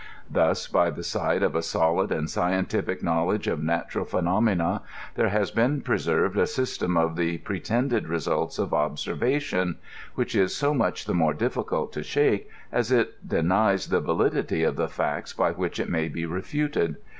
Thus by the side of a solid and scientific knowledge of natural phe pomena there has been preserved a system of the pretended J 38 COSMOS. results of obeervation, which is so much the moie difficult to shake, as it denies the validity of the &cts by which it may be refuted.